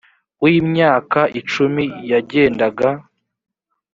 w imyaka icumi yagendaga